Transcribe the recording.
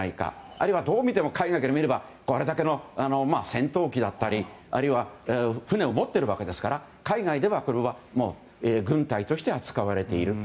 あるいはどう見ても海外から見ればあれだけの戦闘機だったり船を持ってるわけですから海外では軍隊として扱われている。